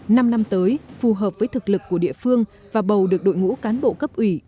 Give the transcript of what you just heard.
năm năm tới phù hợp với thực lực của địa phương và bầu được đội ngũ cán bộ cấp ủy